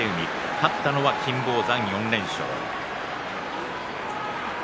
勝ったのは金峰山です。